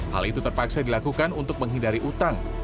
hal itu terpaksa dilakukan untuk menghindari utang